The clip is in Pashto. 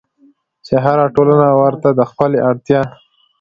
چې هره ټولنه ورته د خپلې اړتيا